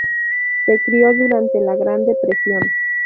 Se crio durante la Gran Depresión.